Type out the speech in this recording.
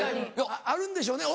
あるんでしょうね